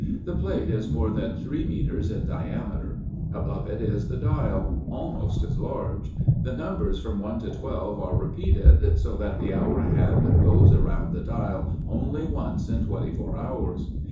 The plate is more than three meters in diameter. Above it is the dial, almost as large. The numbers from 1 to 12 are repeated, so that the hour hand goes around the dial only once in twenty four hours.